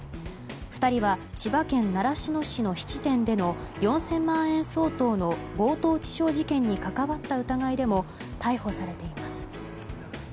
２人は千葉県習志野市の質店での４０００万円相当の強盗致傷事件に関わった疑いでも逮捕されています。